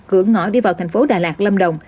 cửa ngõ đi vào thành phố đà lạt lâm đồng